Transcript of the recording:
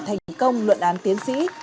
thành công luận án tiến sĩ